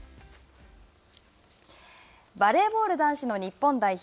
バレーボール男子の日本代表。